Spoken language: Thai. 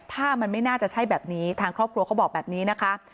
ถ้ามันไม่น่าจะใช่แบบนี้ทางครอบครัวเขาบอกแบบนี้นะคะ